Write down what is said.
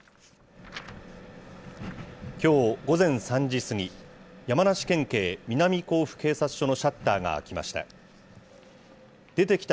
きょう午前３時過ぎ、山梨県警南甲府警察署のシャッターが開きました。